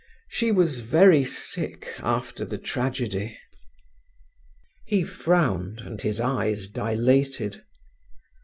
She was very sick after the tragedy. He frowned, and his eyes dilated.